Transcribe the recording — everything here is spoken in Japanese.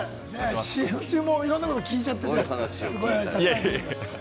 ＣＭ中もいろんなこと聞いちゃっててあれですけれども。